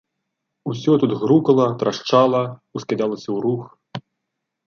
Усё тут грукала, трашчала, ускідалася ў рух.